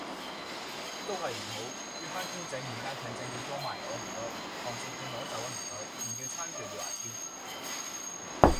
都係唔好，轉返公仔麵加腸仔要多麻油呀唔該，堂食轉攞走呀唔該，唔要餐具要牙籤